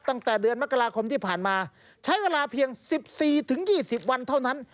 ตั้งแต่เดือนมกราคมที่ผ่านมาใช้เวลาเพียง๑๔๒๐วันเท่านั้น